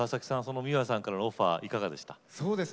ｍｉｗａさんからのオファーはいかがでしたか。